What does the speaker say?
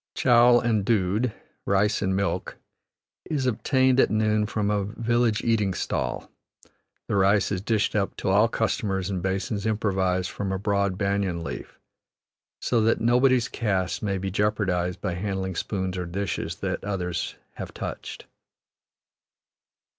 Chowel and dood (rice and milk) is obtained at noon from a village eating stall; the rice is dished up to all customers in basins improvised from a broad banyan leaf, so that nobody's caste may be jeopardized by handling spoons or dishes that others have touched.